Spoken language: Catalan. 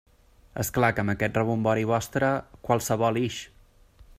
És clar que amb aquest rebombori vostre... qualsevol ix!